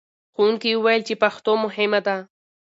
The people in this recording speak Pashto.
ښوونکي وویل چې پښتو مهمه ده.